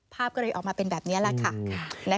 ภาพก็เลยออกมาเป็นแบบนี้แล้ว